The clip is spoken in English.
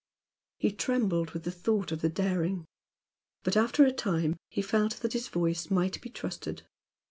He trembled with thought of the daring; but, after a time, he felt that his voice might be trusted.